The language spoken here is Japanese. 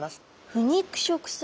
腐肉食性？